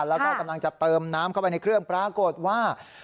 แล้วก็กำลังจะเติมน้ำเข้าไปในเครื่องปรากฏว่า